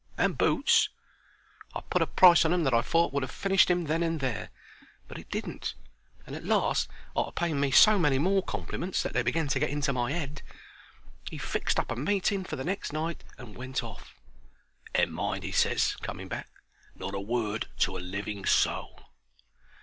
And boots." I put a price on 'em that I thought would 'ave finished 'im then and there, but it didn't. And at last, arter paying me so many more compliments that they began to get into my 'ead, he fixed up a meeting for the next night and went off. "And mind," he ses, coming back, "not a word to a living soul!"